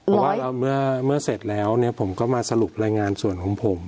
เพราะว่าเมื่อเสร็จแล้วเนี่ยผมก็มาสรุปรายงานส่วนของผม